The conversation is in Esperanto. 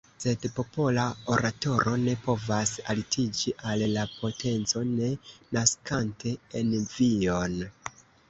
Sed popola oratoro ne povas altiĝi al la potenco, ne naskante envion.